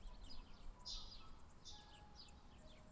朱文塔斯拥有少女般的青春和活力。